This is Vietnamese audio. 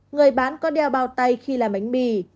người bán có đeo bao tay khi làm bánh mì